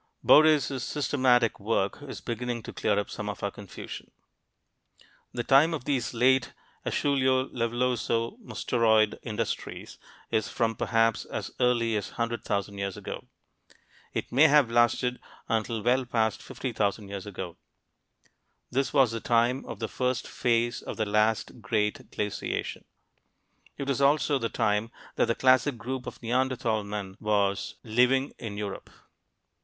Bordes' systematic work is beginning to clear up some of our confusion. The time of these late Acheuleo Levalloiso Mousterioid industries is from perhaps as early as 100,000 years ago. It may have lasted until well past 50,000 years ago. This was the time of the first phase of the last great glaciation. It was also the time that the classic group of Neanderthal men was living in Europe.